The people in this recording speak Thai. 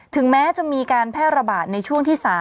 ถึงแม้จะมีการแพร่ระบาดในช่วงที่๓